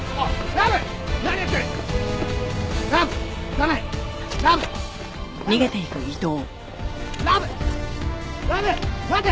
ラブ待て！